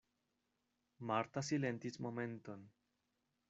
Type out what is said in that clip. Marta silentis momenton.